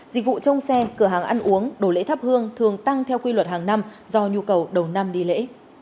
dịch vụ trông xe cửa hàng ăn uống đồ lễ thắp hương thường tăng theo quy luật hàng năm do nhu cầu đầu năm đi lễ